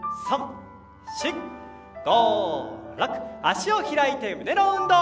脚を開いて胸の運動。